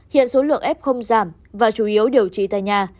hiện số lượng f giảm và chủ yếu điều trị tại nhà